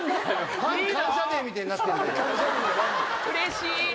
うれしい！